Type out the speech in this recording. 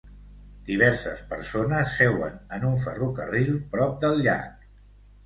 Diverses persones seuen en un ferrocarril prop del llac.